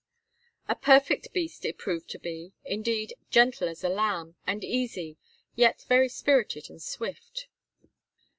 A perfect beast it proved to be, indeed, gentle as a lamb, and easy, yet very spirited and swift.